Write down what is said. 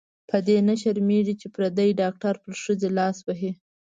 په دې نه شرمېږې چې پردې ډاکټر پر ښځې لاس وهي.